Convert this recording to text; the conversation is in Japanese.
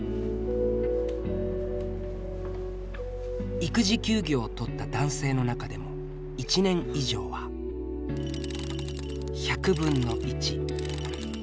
育児休業をとった男性の中でも１年以上は１００分の１。